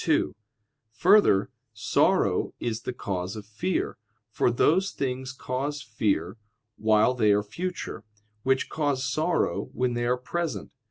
2: Further, sorrow is the cause of fear, for those things cause fear while they are future, which cause sorrow when they are present.